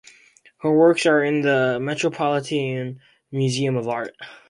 Her works are in the Metropolitan Museum of Art.